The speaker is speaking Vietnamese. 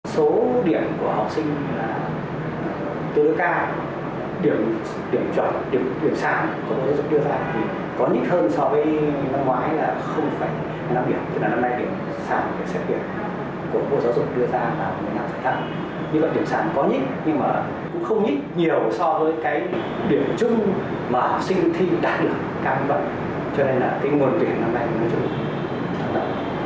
số điểm của học sinh là